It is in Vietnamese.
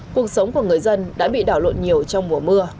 cuộc sống của người dân đã bị đảo lộn nhiều trong mùa mưa